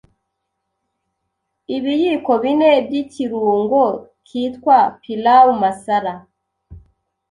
Ibiyiko bine by’ikirungo kitwa pilau masala